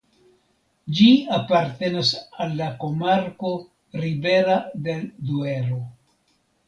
Ĝi apartenas al la komarko "Ribera del Duero".